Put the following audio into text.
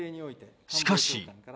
しかし。